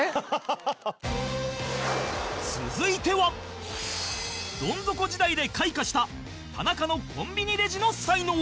続いてはドン底時代で開花した田中のコンビニレジの才能